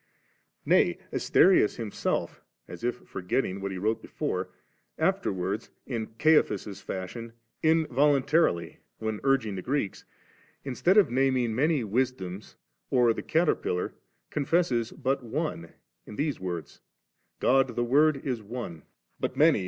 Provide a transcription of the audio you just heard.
Nay, Asterius himself, as if forgetting what he wrote before, afterwards, in Caiaphas'ss fashion, involuntarily, when urging the Greeks, instead of naming many wisdoms, or the cater pillar, confesses but one, in these words; — 'God the Word is one, but many are the s Pa.